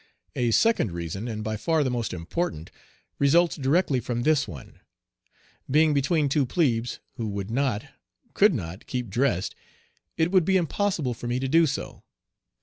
A second reason, and by far the most important, results directly from this one. Being between two plebes, who would not, could not keep dressed, it would be impossible for me to do so.